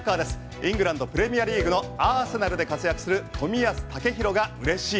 イングランド・プレミアリーグのアーセナルで活躍する冨安健洋が嬉しい